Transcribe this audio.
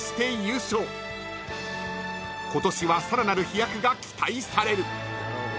［今年はさらなる飛躍が期待される］